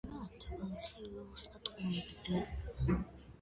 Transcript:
ბრმა, თვალხილულს ატყუებდ